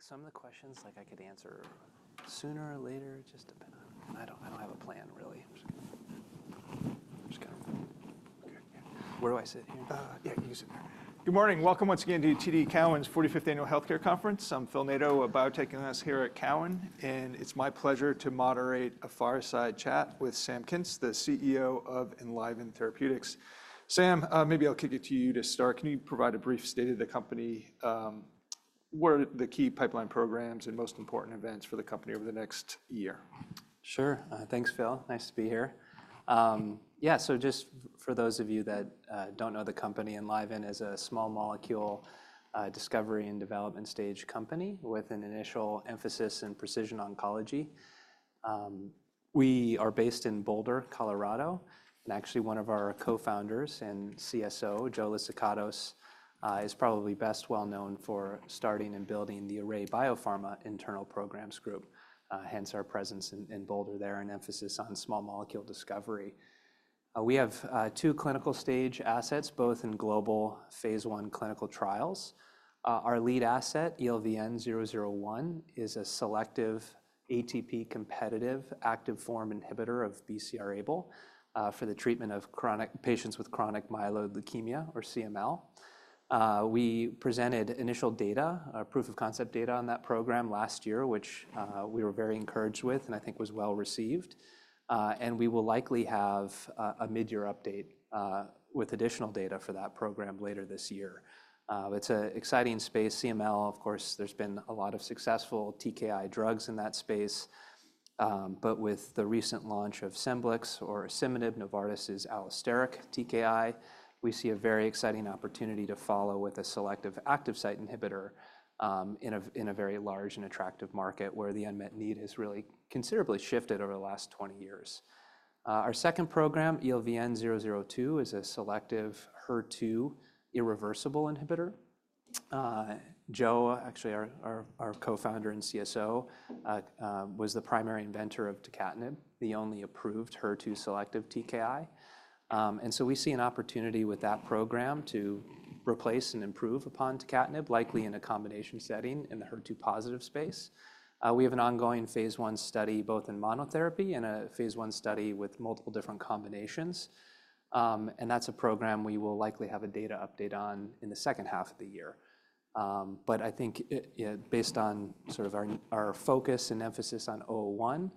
Like, some of the questions, like, I could answer sooner or later, just depend on—I don't have a plan, really. I'm just gonna—okay, yeah. Where do I sit here? Yeah, you can sit there. Good morning. Welcome once again to TD Cowen's 45th Annual Healthcare Conference. I'm Phil Nadeau, a biotech analyst here at Cowen, and it's my pleasure to moderate a fireside chat with Sam Kintz, the CEO of Enliven Therapeutics. Sam, maybe I'll kick it to you to start. Can you provide a brief state of the company? What are the key pipeline programs and most important events for the company over the next year? Sure. Thanks, Phil. Nice to be here. Yeah, so just for those of you that don't know, the company Enliven is a small molecule discovery and development stage company with an initial emphasis in precision oncology. We are based in Boulder, Colorado, and actually one of our co-founders and CSO, Joe Lyssikatos, is probably best well-known for starting and building the Array BioPharma Internal Programs Group, hence our presence in Boulder there and emphasis on small molecule discovery. We have two clinical stage assets, both in global phase I clinical trials. Our lead asset, ELVN-001, is a selective ATP-competitive active form inhibitor of BCR-ABL for the treatment of patients with chronic myeloid leukemia, or CML. We presented initial data, proof of concept data on that program last year, which we were very encouraged with, and I think was well received. We will likely have a mid-year update with additional data for that program later this year. It's an exciting space. CML, of course, there's been a lot of successful TKI drugs in that space, but with the recent launch of SCEMBLIX, Novartis's allosteric TKI, we see a very exciting opportunity to follow with a selective active site inhibitor in a very large and attractive market where the unmet need has really considerably shifted over the last 20 years. Our second program, ELVN-002, is a selective HER2 irreversible inhibitor. Joe, actually our co-founder and CSO, was the primary inventor of tucatinib, the only approved HER2 selective TKI. We see an opportunity with that program to replace and improve upon tucatinib, likely in a combination setting in the HER2 positive space. We have an ongoing phase I study both in monotherapy and a phase I study with multiple different combinations. That is a program we will likely have a data update on in the second half of the year. I think, based on sort of our focus and emphasis on O1,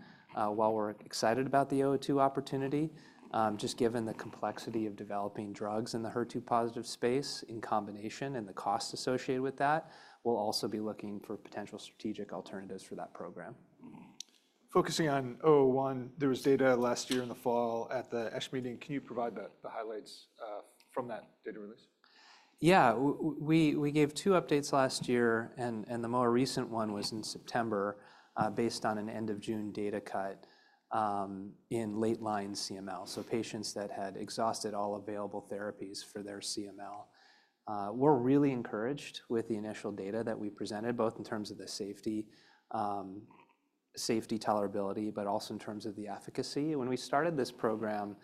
while we're excited about the O2 opportunity, just given the complexity of developing drugs in the HER2 positive space in combination and the cost associated with that, we'll also be looking for potential strategic alternatives for that program. Focusing on 01, there was data last year in the fall at the ECHME meeting. Can you provide the highlights from that data release? Yeah, we gave two updates last year, and the more recent one was in September, based on an end-of-June data cut in late-line CML. Patients that had exhausted all available therapies for their CML were really encouraged with the initial data that we presented, both in terms of the safety, safety tolerability, but also in terms of the efficacy. When we started this program,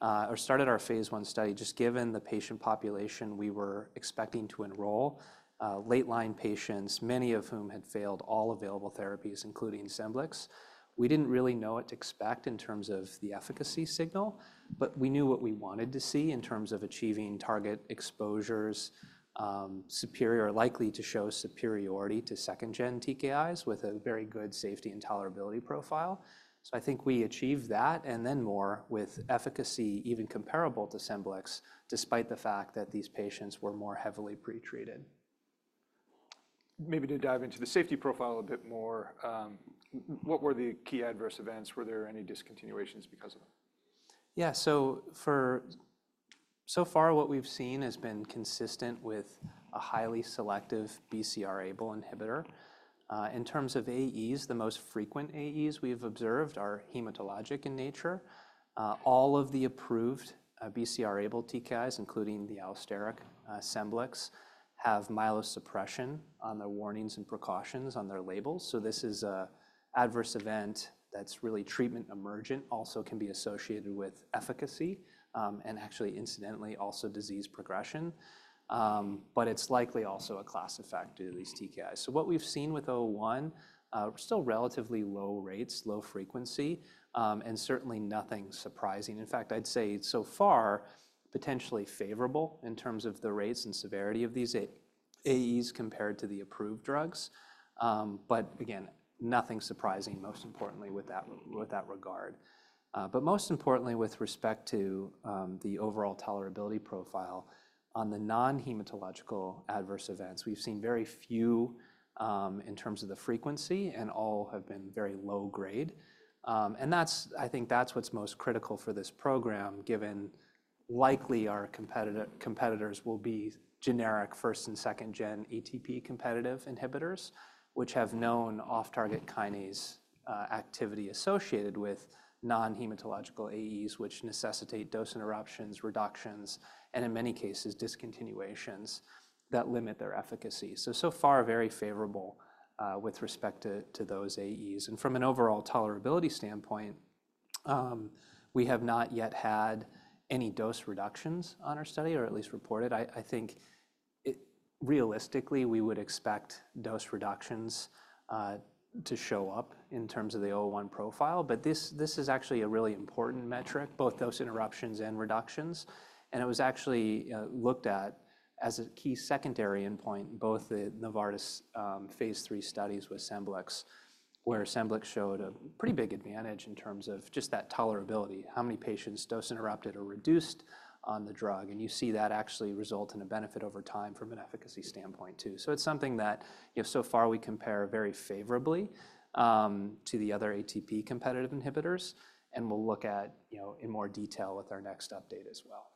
or started our phase I study, just given the patient population we were expecting to enroll, late-line patients, many of whom had failed all available therapies, including SCEMBLIX, we didn't really know what to expect in terms of the efficacy signal, but we knew what we wanted to see in terms of achieving target exposures, likely to show superiority to second-gen TKIs with a very good safety and tolerability profile. I think we achieved that and then more with efficacy even comparable to SCEMBLIX, despite the fact that these patients were more heavily pretreated. Maybe to dive into the safety profile a bit more, what were the key adverse events? Were there any discontinuations because of it? Yeah, so far what we've seen has been consistent with a highly selective BCR-ABL inhibitor. In terms of AEs, the most frequent AEs we've observed are hematologic in nature. All of the approved BCR-ABL TKIs, including the allosteric SCEMBLIX, have myelosuppression on their warnings and precautions on their labels. This is an adverse event that's really treatment emergent, also can be associated with efficacy, and actually, incidentally, also disease progression. It is likely also a class effect of these TKIs. What we've seen with O1, still relatively low rates, low frequency, and certainly nothing surprising. In fact, I'd say so far, potentially favorable in terms of the rates and severity of these AEs compared to the approved drugs. Again, nothing surprising, most importantly with that regard. Most importantly, with respect to the overall tolerability profile, on the non-hematological adverse events, we've seen very few in terms of the frequency and all have been very low grade. I think that's what's most critical for this program, given likely our competitors will be generic first- and second-gen ATP-competitive inhibitors, which have known off-target kinase activity associated with non-hematological AEs, which necessitate dose interruptions, reductions, and in many cases, discontinuations that limit their efficacy. So far, very favorable with respect to those AEs. From an overall tolerability standpoint, we have not yet had any dose reductions on our study, or at least reported. I think realistically, we would expect dose reductions to show up in terms of the O1 profile, but this is actually a really important metric, both dose interruptions and reductions. It was actually looked at as a key secondary endpoint, both the Novartis phase three studies with SCEMBLIX, where SCEMBLIX showed a pretty big advantage in terms of just that tolerability, how many patients dose interrupted or reduced on the drug. You see that actually result in a benefit over time from an efficacy standpoint too. It is something that, so far, we compare very favorably to the other ATP-competitive inhibitors, and we will look at in more detail with our next update as well.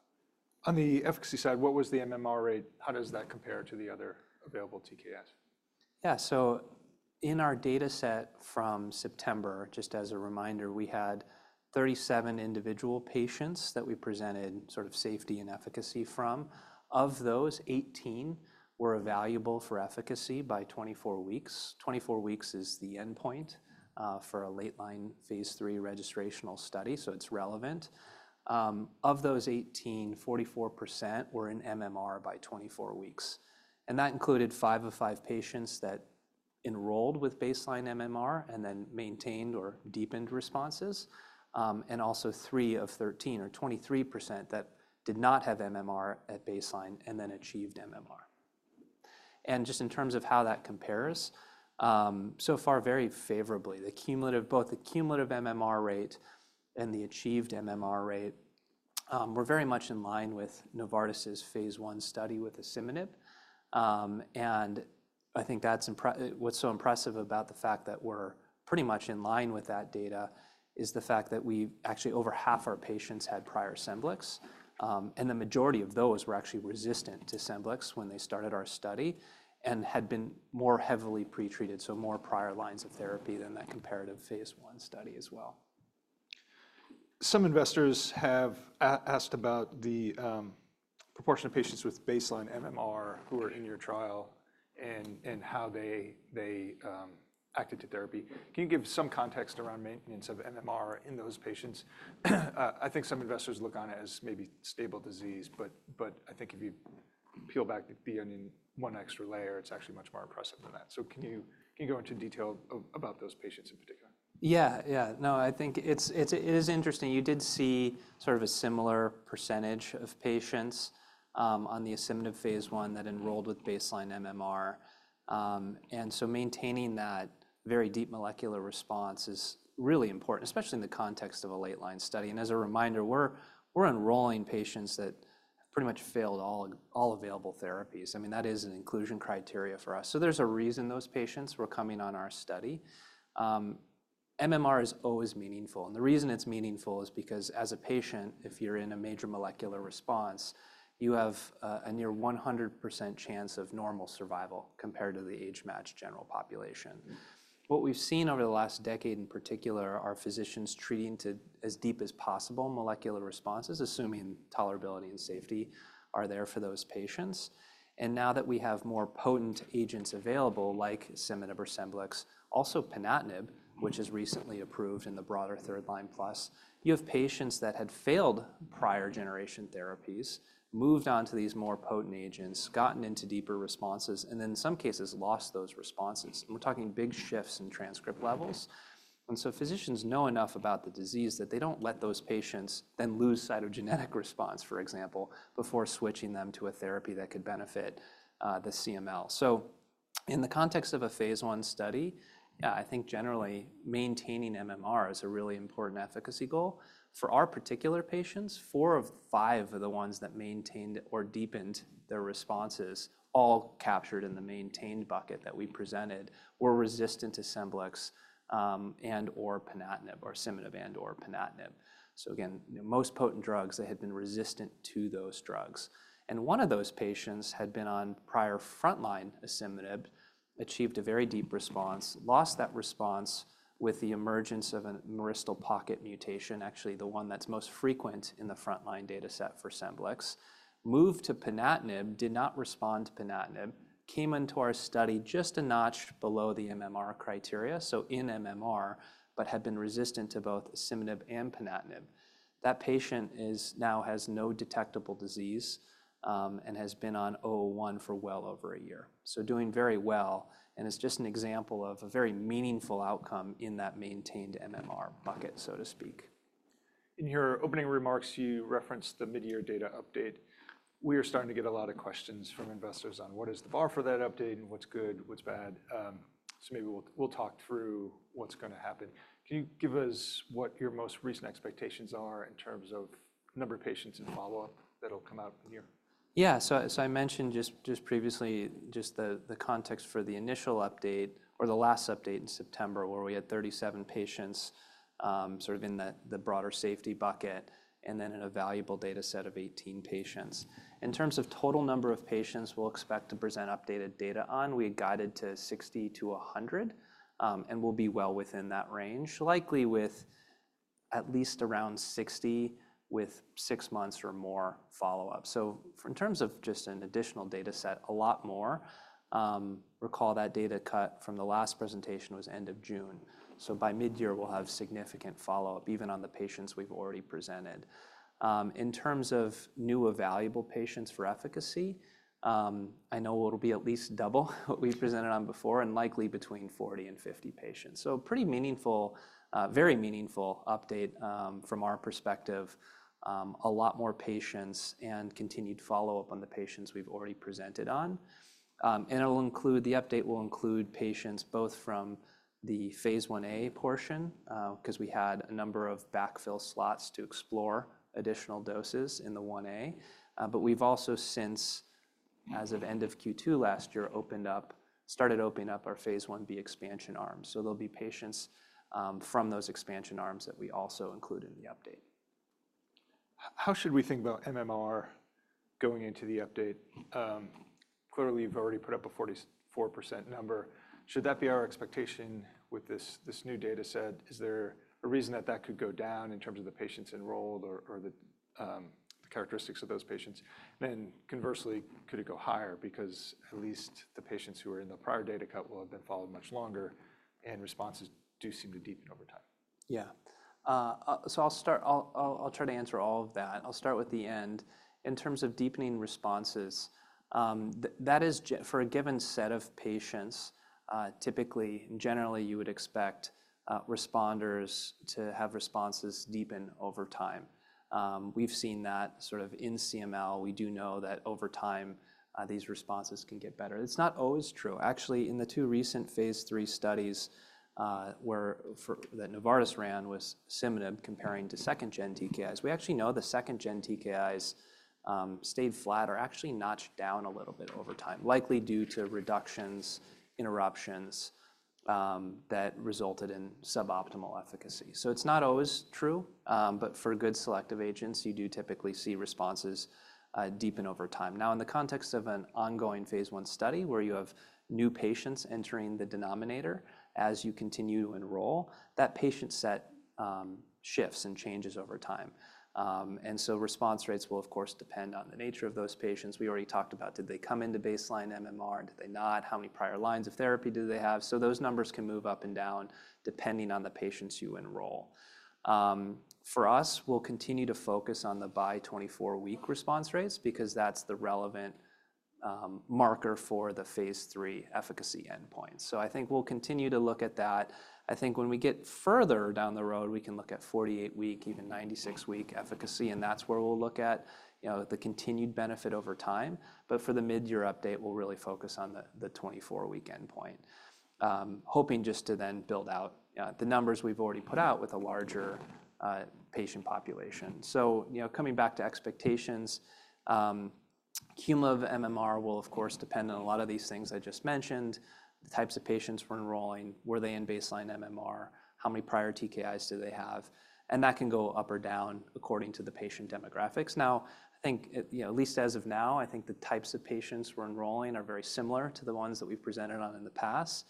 On the efficacy side, what was the MMR rate? How does that compare to the other available TKIs? Yeah, so in our dataset from September, just as a reminder, we had 37 individual patients that we presented sort of safety and efficacy from. Of those, 18 were evaluable for efficacy by 24-weeks. 24-weeks is the endpoint for a late-line phase III registrational study, so it's relevant. Of those 18, 44% were in MMR by 24-weeks. That included five of five patients that enrolled with baseline MMR and then maintained or deepened responses, and also three of 13, or 23%, that did not have MMR at baseline and then achieved MMR. Just in terms of how that compares, so far, very favorably. Both the cumulative MMR rate and the achieved MMR rate were very much in line with Novartis's phase I study with the asciminib. I think what's so impressive about the fact that we're pretty much in line with that data is the fact that we actually, over half our patients had prior SCEMBLIX, and the majority of those were actually resistant to SCEMBLIX when they started our study and had been more heavily pretreated, so more prior lines of therapy than that comparative phase I study as well. Some investors have asked about the proportion of patients with baseline MMR who were in your trial and how they acted to therapy. Can you give some context around maintenance of MMR in those patients? I think some investors look on it as maybe stable disease, but I think if you peel back the onion one extra layer, it's actually much more impressive than that. Can you go into detail about those patients in particular? Yeah, yeah. No, I think it is interesting. You did see sort of a similar percentage of patients on the SCEMBLIX phase I that enrolled with baseline MMR. Maintaining that very deep molecular response is really important, especially in the context of a late-line study. As a reminder, we're enrolling patients that pretty much failed all available therapies. I mean, that is an inclusion criteria for us. There is a reason those patients were coming on our study. MMR is always meaningful. The reason it's meaningful is because as a patient, if you're in a major molecular response, you have a near 100% chance of normal survival compared to the age-matched general population. What we've seen over the last decade in particular are physicians treating as deep as possible molecular responses, assuming tolerability and safety are there for those patients. Now that we have more potent agents available, like SCEMBLIX, also ponatinib, which is recently approved in the broader third line plus, you have patients that had failed prior generation therapies, moved on to these more potent agents, gotten into deeper responses, and then in some cases lost those responses. We are talking big shifts in transcript levels. Physicians know enough about the disease that they do not let those patients then lose cytogenetic response, for example, before switching them to a therapy that could benefit the CML. In the context of a phase I study, yeah, I think generally maintaining MMR is a really important efficacy goal. For our particular patients, four of five of the ones that maintained or deepened their responses, all captured in the maintained bucket that we presented, were resistant to SCEMBLIX and/or ponatinib. Again, most potent drugs that had been resistant to those drugs. One of those patients had been on prior frontline SCEMBLIX, achieved a very deep response, lost that response with the emergence of a myristoyl pocket mutation, actually the one that's most frequent in the frontline dataset for SCEMBLIX, moved to ponatinib, did not respond to ponatinib, came into our study just a notch below the MMR criteria, so in MMR, but had been resistant to both asciminib and ponatinib. That patient now has no detectable disease and has been on 01 for well over a year. Doing very well, and it's just an example of a very meaningful outcome in that maintained MMR bucket, so to speak. In your opening remarks, you referenced the mid-year data update. We are starting to get a lot of questions from investors on what is the bar for that update and what's good, what's bad. Maybe we'll talk through what's going to happen. Can you give us what your most recent expectations are in terms of number of patients in follow-up that'll come out in a year? Yeah, so I mentioned just previously the context for the initial update, or the last update in September, where we had 37 patients sort of in the broader safety bucket, and then an evaluable dataset of 18 patients. In terms of total number of patients we'll expect to present updated data on, we guided to 60-100, and we'll be well within that range, likely with at least around 60 with six months or more follow-up. In terms of just an additional dataset, a lot more. Recall that data cut from the last presentation was end of June. By mid-year, we'll have significant follow-up, even on the patients we've already presented. In terms of new evaluable patients for efficacy, I know it'll be at least double what we presented on before, and likely between 40 and 50 patients. Pretty meaningful, very meaningful update from our perspective, a lot more patients and continued follow-up on the patients we've already presented on. The update will include patients both from the phase I-A portion, because we had a number of backfill slots to explore additional doses in the I-A. We have also since, as of end of Q2 last year, started opening up our phase I-B expansion arms. There will be patients from those expansion arms that we also include in the update. How should we think about MMR going into the update? Clearly, you've already put up a 44% number. Should that be our expectation with this new dataset? Is there a reason that that could go down in terms of the patients enrolled or the characteristics of those patients? Conversely, could it go higher? Because at least the patients who were in the prior data cut will have been followed much longer, and responses do seem to deepen over time. Yeah. I'll try to answer all of that. I'll start with the end. In terms of deepening responses, that is for a given set of patients, typically, generally, you would expect responders to have responses deepen over time. We've seen that sort of in CML. We do know that over time, these responses can get better. It's not always true. Actually, in the two recent phase III studies that Novartis ran with asciminib comparing to second-gen TKIs, we actually know the second-gen TKIs stayed flat or actually notched down a little bit over time, likely due to reductions, interruptions that resulted in suboptimal efficacy. It's not always true, but for good selective agents, you do typically see responses deepen over time. Now, in the context of an ongoing phase I study where you have new patients entering the denominator as you continue to enroll, that patient set shifts and changes over time. Response rates will, of course, depend on the nature of those patients. We already talked about, did they come into baseline MMR, did they not, how many prior lines of therapy did they have? Those numbers can move up and down depending on the patients you enroll. For us, we'll continue to focus on the by 24-week response rates, because that's the relevant marker for the phase III efficacy endpoint. I think we'll continue to look at that. I think when we get further down the road, we can look at 48-week, even 96-week efficacy, and that's where we'll look at the continued benefit over time. For the mid-year update, we'll really focus on the 24-week endpoint, hoping just to then build out the numbers we've already put out with a larger patient population. Coming back to expectations, cumulative MMR will, of course, depend on a lot of these things I just mentioned, the types of patients we're enrolling, were they in baseline MMR, how many prior TKIs did they have, and that can go up or down according to the patient demographics. I think at least as of now, I think the types of patients we're enrolling are very similar to the ones that we've presented on in the past.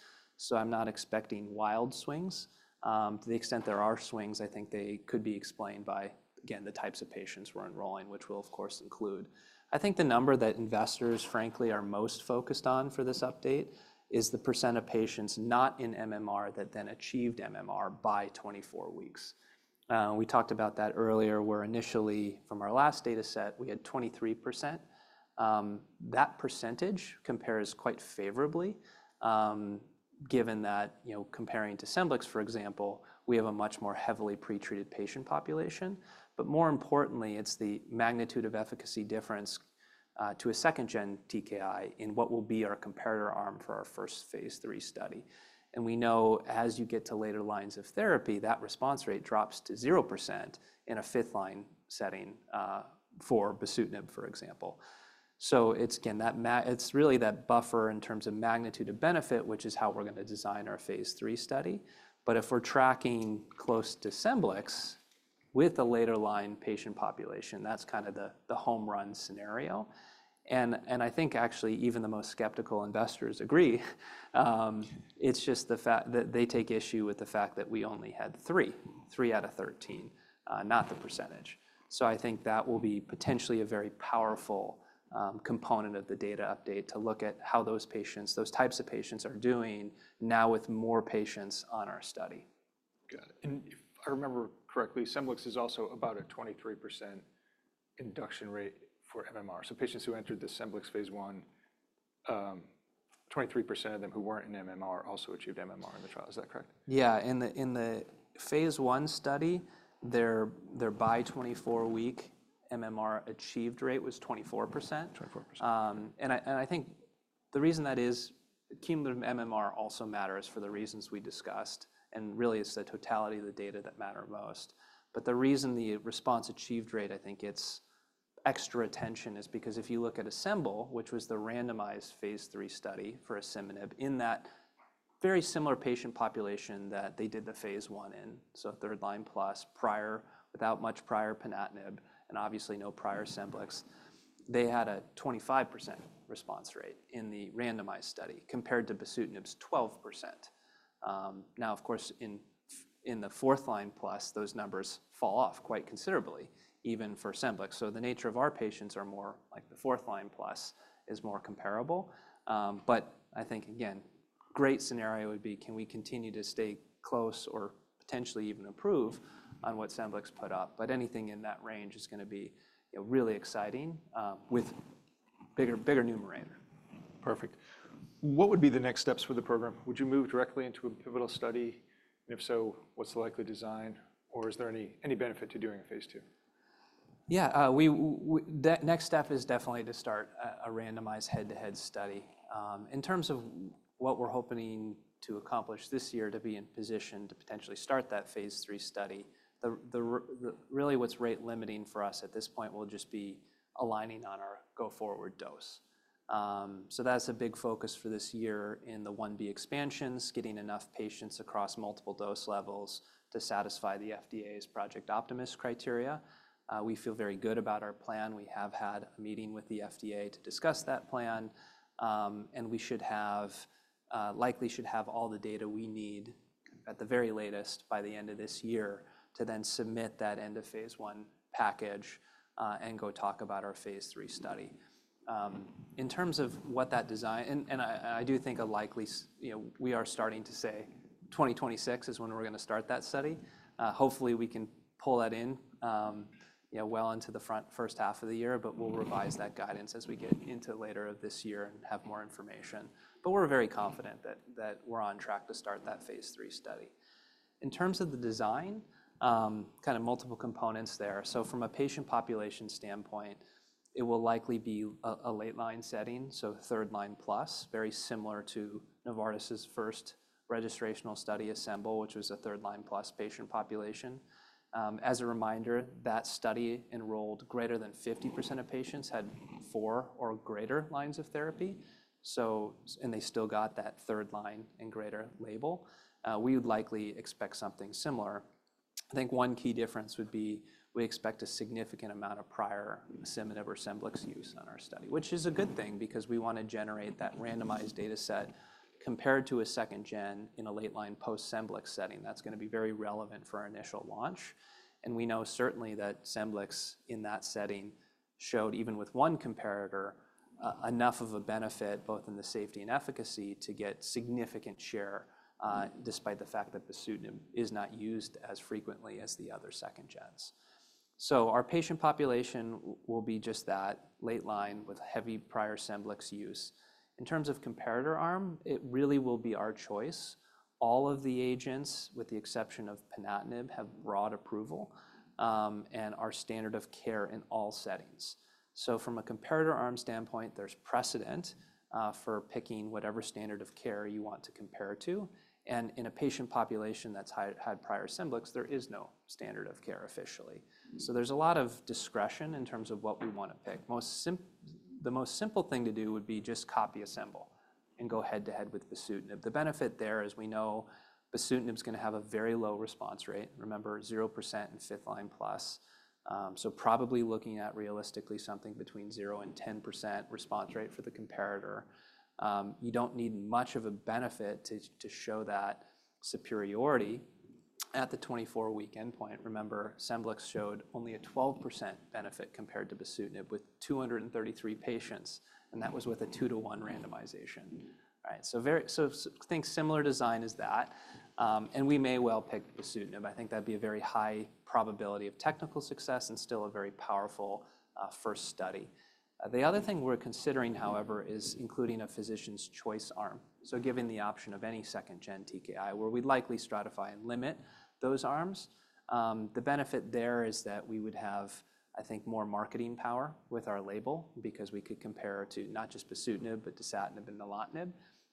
I'm not expecting wild swings. To the extent there are swings, I think they could be explained by, again, the types of patients we're enrolling, which will, of course, include. I think the number that investors, frankly, are most focused on for this update is the percent of patients not in MMR that then achieved MMR by 24-weeks. We talked about that earlier, where initially from our last dataset, we had 23%. That percentage compares quite favorably, given that comparing to SCEMBLIX, for example, we have a much more heavily pretreated patient population. More importantly, it's the magnitude of efficacy difference to a second-gen TKI in what will be our comparator arm for our first phase III study. We know as you get to later lines of therapy, that response rate drops to 0% in a fifth-line setting for bosutinib, for example. It is really that buffer in terms of magnitude of benefit, which is how we're going to design our phase III study. If we're tracking close to SCEMBLIX with a later line patient population, that's kind of the home run scenario. I think actually even the most skeptical investors agree. It's just the fact that they take issue with the fact that we only had three, three out of 13, not the percentage. I think that will be potentially a very powerful component of the data update to look at how those patients, those types of patients are doing now with more patients on our study. Got it. If I remember correctly, SCEMBLIX is also about a 23% induction rate for MMR. Patients who entered the SCEMBLIX phase I, 23% of them who were not in MMR also achieved MMR in the trial. Is that correct? Yeah. In the phase I study, their by 24-week MMR achieved rate was 24%. I think the reason that cumulative MMR also matters is for the reasons we discussed, and really it's the totality of the data that matter most. The reason the response achieved rate, I think, gets extra attention is because if you look at ASCEMBL, which was the randomized phase III study for asciminib in that very similar patient population that they did the phase I in, so third line plus, without much prior ponatinib, and obviously no prior SCEMBLIX, they had a 25% response rate in the randomized study compared to bosutinib's 12%. Of course, in the fourth line plus, those numbers fall off quite considerably, even for SCEMBLIX. The nature of our patients are more like the fourth line plus is more comparable. I think, again, great scenario would be, can we continue to stay close or potentially even improve on what SCEMBLIX put up? Anything in that range is going to be really exciting with a bigger numerator. Perfect. What would be the next steps for the program? Would you move directly into a pivotal study? If so, what's the likely design? Is there any benefit to doing a phase II? Yeah. That next step is definitely to start a randomized head-to-head study. In terms of what we're hoping to accomplish this year to be in position to potentially start that phase III study, really what's rate limiting for us at this point will just be aligning on our go forward dose. That is a big focus for this year in the I-B expansions, getting enough patients across multiple dose levels to satisfy the FDA's project optimist criteria. We feel very good about our plan. We have had a meeting with the FDA to discuss that plan. We likely should have all the data we need at the very latest by the end of this year to then submit that end of phase I package and go talk about our phase III study. In terms of what that design, and I do think a likely, we are starting to say 2026 is when we're going to start that study. Hopefully, we can pull that in well into the first half of the year, but we'll revise that guidance as we get into later of this year and have more information. We're very confident that we're on track to start that phase III study. In terms of the design, kind of multiple components there. From a patient population standpoint, it will likely be a late line setting, so third line plus, very similar to Novartis' first registrational study ASCEMBL, which was a third line plus patient population. As a reminder, that study enrolled greater than 50% of patients had four or greater lines of therapy, and they still got that third line and greater label. We would likely expect something similar. I think one key difference would be we expect a significant amount of prior asciminib or SCEMBLIX use on our study, which is a good thing because we want to generate that randomized dataset compared to a second gen in a late line post Semblix setting. That is going to be very relevant for our initial launch. We know certainly that SCEMBLIX in that setting showed, even with one comparator, enough of a benefit both in the safety and efficacy to get significant share, despite the fact that bosutinib is not used as frequently as the other second gens. Our patient population will be just that late line with heavy prior SCEMBLIX use. In terms of comparator arm, it really will be our choice. All of the agents, with the exception of ponatinib, have broad approval and are standard of care in all settings. From a comparator arm standpoint, there's precedent for picking whatever standard of care you want to compare to. In a patient population that's had prior SCEMBLIX, there is no standard of care officially. There's a lot of discretion in terms of what we want to pick. The most simple thing to do would be just copy ASCEMBL and go head to head with bosutinib. The benefit there is we know bosutinib is going to have a very low response rate. Remember, 0% in fifth line plus. Probably looking at realistically something between 0 and 10% response rate for the comparator. You don't need much of a benefit to show that superiority at the 24-week endpoint. Remember, SCEMBLIX showed only a 12% benefit compared to bosutinib with 233 patients, and that was with a 2:1 randomization. Think similar design is that. We may well pick bosutinib. I think that would be a very high probability of technical success and still a very powerful first study. The other thing we are considering, however, is including a physician's choice arm. Given the option of any second-gen TKI, where we would likely stratify and limit those arms, the benefit there is that we would have, I think, more marketing power with our label because we could compare to not just bosutinib, but dasatinib and nilotinib,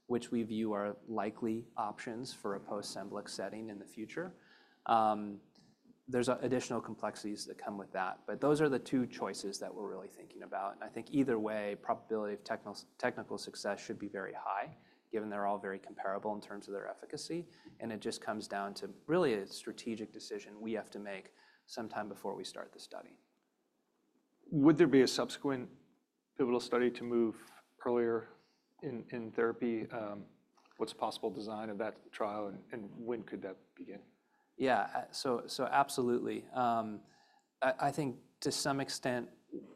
which we view are likely options for a post-Semblix setting in the future. There are additional complexities that come with that. Those are the two choices that we are really thinking about. I think either way, probability of technical success should be very high, given they are all very comparable in terms of their efficacy. It just comes down to really a strategic decision we have to make sometime before we start the study. Would there be a subsequent pivotal study to move earlier in therapy? What's possible design of that trial and when could that begin? Yeah. So absolutely. I think to some extent,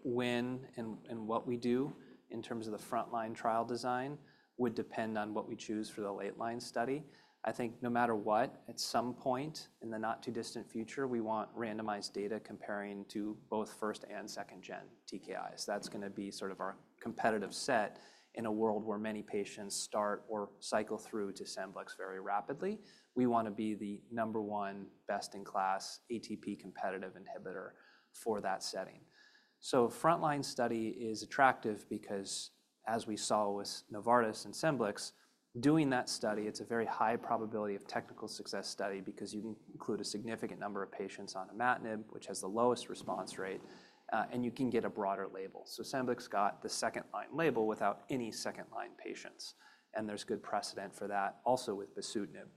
when and what we do in terms of the front line trial design would depend on what we choose for the late line study. I think no matter what, at some point in the not too distant future, we want randomized data comparing to both first and second gen TKIs. That's going to be sort of our competitive set in a world where many patients start or cycle through to SCEMBLIX very rapidly. We want to be the number one best in class ATP-competitive inhibitor for that setting. Front line study is attractive because, as we saw with Novartis and SCEMBLIX, doing that study, it's a very high probability of technical success study because you can include a significant number of patients on a ponatinib, which has the lowest response rate, and you can get a broader label. SCEMBLIX got the second line label without any second line patients. There is good precedent for that also with bosutinib.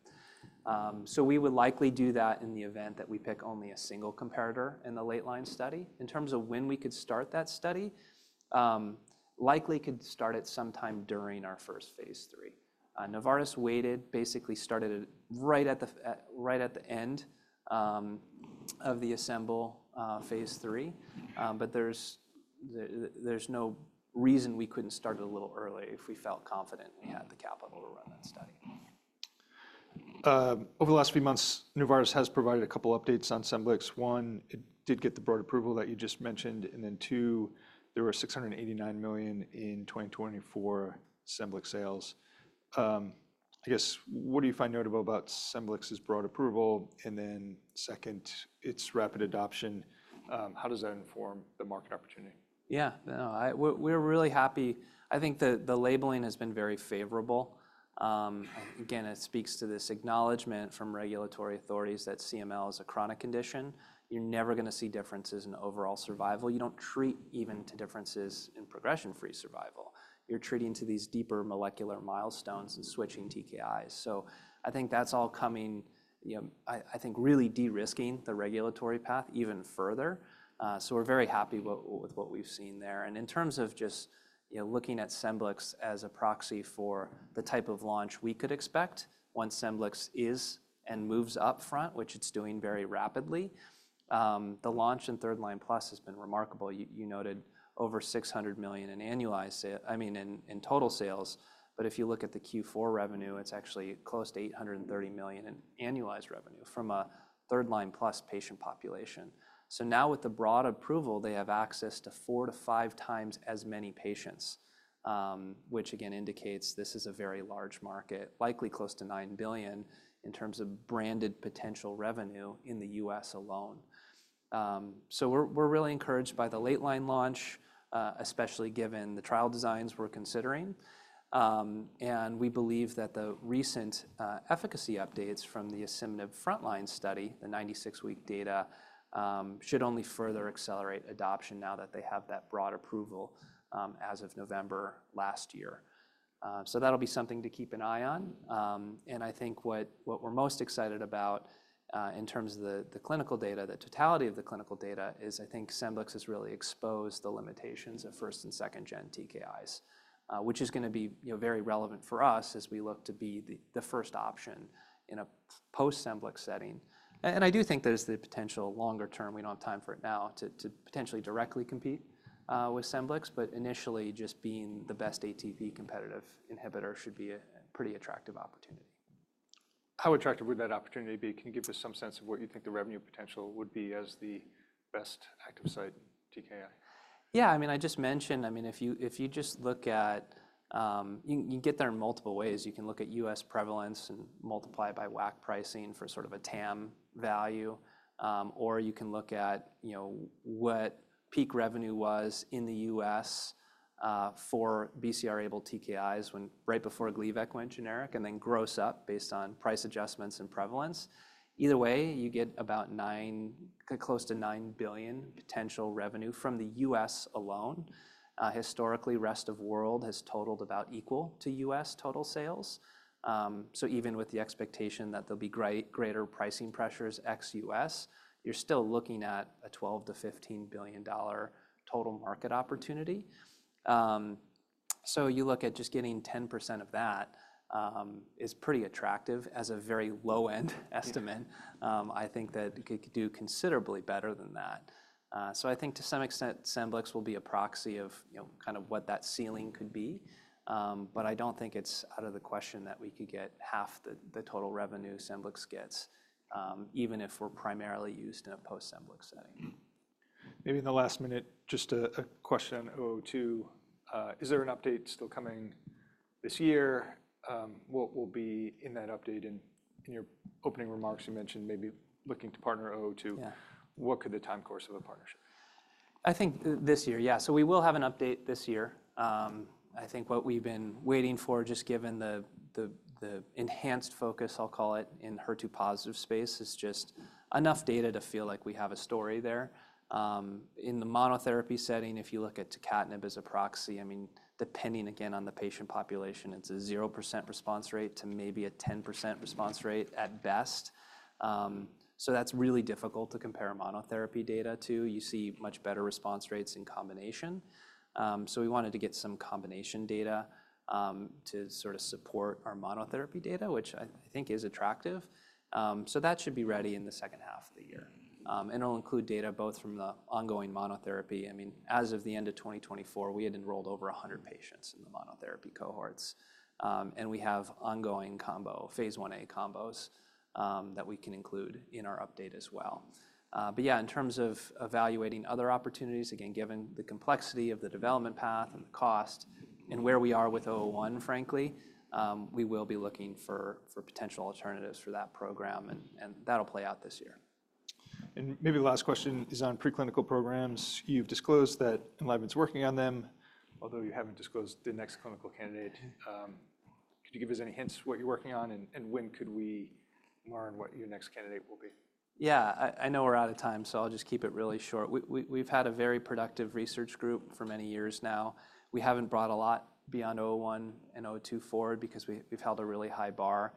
We would likely do that in the event that we pick only a single comparator in the late line study. In terms of when we could start that study, likely could start at some time during our first phase III. Novartis waited, basically started right at the end of the ASCEMBL phase III. There is no reason we could not start it a little earlier if we felt confident we had the capital to run that study. Over the last few months, Novartis has provided a couple of updates on SCEMBLIX. One, it did get the broad approval that you just mentioned. Two, there were $689 million in 2024 SCEMBLIX sales. I guess, what do you find notable about SCEMBLIX's broad approval? Second, its rapid adoption, how does that inform the market opportunity? Yeah. We're really happy. I think the labeling has been very favorable. Again, it speaks to this acknowledgment from regulatory authorities that CML is a chronic condition. You're never going to see differences in overall survival. You don't treat even to differences in progression-free survival. You're treating to these deeper molecular milestones and switching TKIs. I think that's all coming, I think really de-risking the regulatory path even further. We're very happy with what we've seen there. In terms of just looking at SCEMBLIX as a proxy for the type of launch we could expect once SCEMBLIX is and moves up front, which it's doing very rapidly, the launch in third line plus has been remarkable. You noted over $600 million in annualized, I mean, in total sales. If you look at the Q4 revenue, it's actually close to $830 million in annualized revenue from a third line plus patient population. Now with the broad approval, they have access to four to five times as many patients, which again indicates this is a very large market, likely close to $9 billion in terms of branded potential revenue in the U.S. alone. We're really encouraged by the late line launch, especially given the trial designs we're considering. We believe that the recent efficacy updates from the asciminib front line study, the 96-week data, should only further accelerate adoption now that they have that broad approval as of November last year. That will be something to keep an eye on. I think what we're most excited about in terms of the clinical data, the totality of the clinical data is I think SCEMBLIX has really exposed the limitations of first- and second-gen TKIs, which is going to be very relevant for us as we look to be the first option in a post-SCEMBLIX setting. I do think there's the potential longer term, we don't have time for it now, to potentially directly compete with SCEMBLIX, but initially just being the best ATP-competitive inhibitor should be a pretty attractive opportunity. How attractive would that opportunity be? Can you give us some sense of what you think the revenue potential would be as the best active site TKI? Yeah. I mean, I just mentioned, I mean, if you just look at, you can get there in multiple ways. You can look at U.S. prevalence and multiply by WAC pricing for sort of a TAM value. Or you can look at what peak revenue was in the U.S. for BCR-ABL TKIs right before Gleevec went generic and then gross up based on price adjustments and prevalence. Either way, you get about close to $9 billion potential revenue from the U.S.alone. Historically, rest of world has totaled about equal to U.S. total sales. Even with the expectation that there'll be greater pricing pressures ex-U.S., you're still looking at a $12 billion-$15 billion total market opportunity. You look at just getting 10% of that is pretty attractive as a very low end estimate. I think that it could do considerably better than that. I think to some extent, SCEMBLIX will be a proxy of kind of what that ceiling could be. I do not think it is out of the question that we could get half the total revenue SCEMBLIX gets, even if we are primarily used in a post SCEMBLIX setting. Maybe in the last minute, just a question on 02. Is there an update still coming this year? What will be in that update? In your opening remarks, you mentioned maybe looking to partner 02. What could the time course of a partnership be? I think this year, yeah. We will have an update this year. I think what we've been waiting for, just given the enhanced focus, I'll call it, in HER2 positive space, is just enough data to feel like we have a story there. In the monotherapy setting, if you look at dasatinib as a proxy, I mean, depending again on the patient population, it's a 0% response rate to maybe a 10% response rate at best. That's really difficult to compare monotherapy data to. You see much better response rates in combination. We wanted to get some combination data to sort of support our monotherapy data, which I think is attractive. That should be ready in the second half of the year. It'll include data both from the ongoing monotherapy. I mean, as of the end of 2024, we had enrolled over 100 patients in the monotherapy cohorts. We have ongoing combo, phase I-A combos that we can include in our update as well. Yeah, in terms of evaluating other opportunities, again, given the complexity of the development path and the cost and where we are with 01, frankly, we will be looking for potential alternatives for that program. That will play out this year. Maybe the last question is on preclinical programs. You've disclosed that Enliven's working on them, although you haven't disclosed the next clinical candidate. Could you give us any hints what you're working on and when could we learn what your next candidate will be? Yeah. I know we're out of time, so I'll just keep it really short. We've had a very productive research group for many years now. We haven't brought a lot beyond 01 and 02 forward because we've held a really high bar.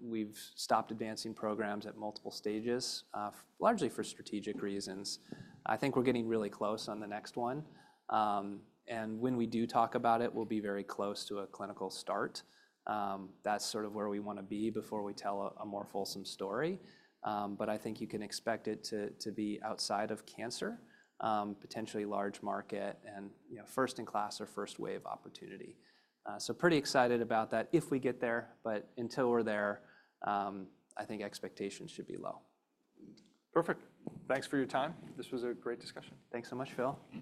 We've stopped advancing programs at multiple stages, largely for strategic reasons. I think we're getting really close on the next one. When we do talk about it, we'll be very close to a clinical start. That's sort of where we want to be before we tell a more fulsome story. I think you can expect it to be outside of cancer, potentially large market and first in class or first wave opportunity. Pretty excited about that if we get there. Until we're there, I think expectations should be low. Perfect. Thanks for your time. This was a great discussion. Thanks so much, Phil.